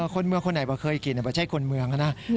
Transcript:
คนเมืองคนไหนเคยกินแต่ว่าใช่คนเมืองนะ